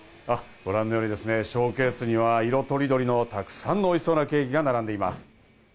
ご覧のようにショーケースには色とりどりのたくさんのおいしそうなケーキが並んでいます。